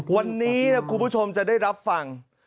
วันนี้นะคุณผู้ชมจะได้รับฟัง